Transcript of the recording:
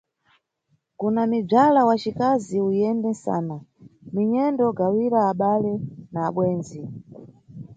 Kuna mibzala wacikazi, uyende nsana, minyendo gawira abale na abwendzi.